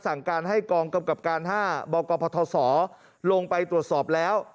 สั่งการให้กองกำกับการ๕บกพศลงไปตรวจสอบแล้ว